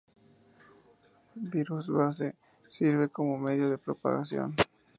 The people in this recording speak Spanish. Virus Base: Sirve como medio de propagación.